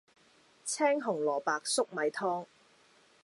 青紅蘿蔔粟米湯